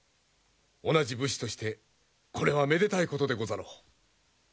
同じ武士としてこれはめでたいことでござろう。